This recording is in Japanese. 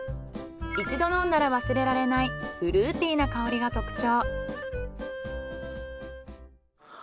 一度飲んだら忘れられないフルーティーな香りが特徴。